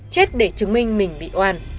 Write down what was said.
chết để chứng minh mình bị oan